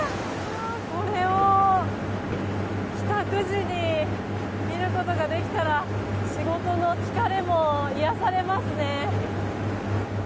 これを帰宅時に見ることができたら仕事の疲れも癒されますね。